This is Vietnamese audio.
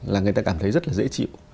là người ta cảm thấy rất là dễ chịu